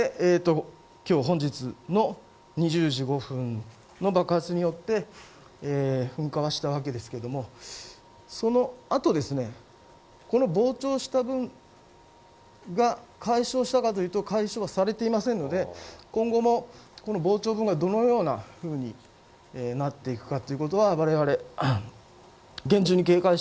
本日の２０時５分の爆発によって噴火はしたわけですがその後、膨張した分が解消したかというと解消されていませんので今後も膨張部分がどのようなふうになっていくか